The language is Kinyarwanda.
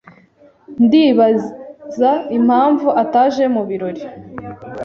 Ndibaza impamvu ataje mubirori.